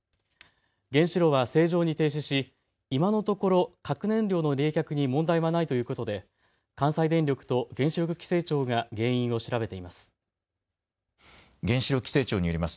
原子炉は正常に停止し今のところ、核燃料の冷却に問題はないということで関西電力と原子力規制庁が原因を調べています。